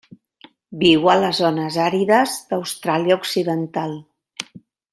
Viu a les zones àrides d'Austràlia Occidental.